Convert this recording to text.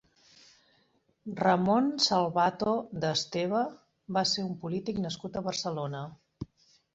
Ramon Salvato de Esteve va ser un polític nascut a Barcelona.